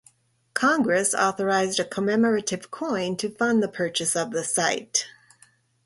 Congress authorized a commemorative coin to fund the purchase of the site.